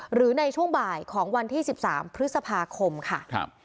หรือในช่วงบ่ายของวันที่๑๓พฤษภาคมค่ะ